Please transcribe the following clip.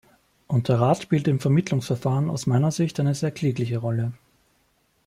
Und der Rat spielte im Vermittlungsverfahren aus meiner Sicht eine sehr klägliche Rolle.